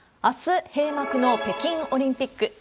あす、閉幕の北京オリンピック。